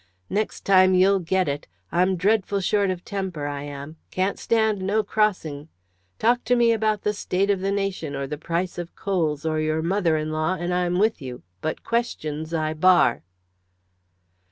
"Next time you'll get it. I'm dreadful short of temper, I am can't stand no crossing. Talk to me about the state of the nation, or the price of coals, or your mother in law, and I'm with you, but questions I bar."